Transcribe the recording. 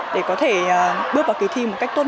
để có thể bước vào ký thi